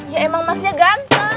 ya emang masnya ganteng